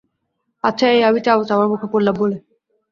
আচ্ছা, এই আমি চামচ আমার মুখে পুরলাম বলে।